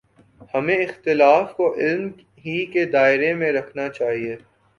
ہمیں اختلاف کو علم ہی کے دائرے میں رکھنا چاہیے۔